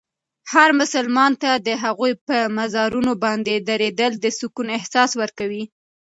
هر مسلمان ته د هغوی په مزارونو باندې درېدل د سکون احساس ورکوي.